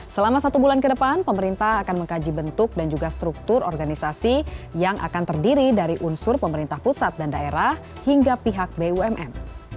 selama satu bulan ke depan pemerintah akan mengkaji bentuk dan juga struktur organisasi yang akan terdiri dari unsur pemerintah pusat dan daerah hingga pihak bumn